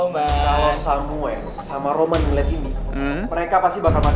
kalau samuel dan roman melihat ini mereka pasti akan menangkapnya